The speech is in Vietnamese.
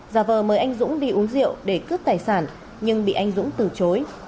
giả vờ mời anh dũng đi uống rượu để cướp tài sản nhưng bị anh dũng từ chối